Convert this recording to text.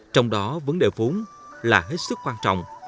trong đó vấn đề vốn là hết sức quan trọng